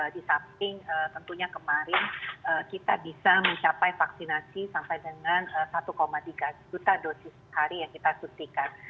di samping tentunya kemarin kita bisa mencapai vaksinasi sampai dengan satu tiga juta dosis hari yang kita tutikan